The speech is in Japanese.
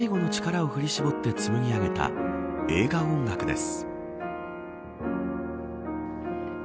坂本龍一さんが最後の力を振り絞って紡ぎ上げた映画音楽です。